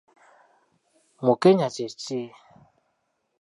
Mukenya kye ki?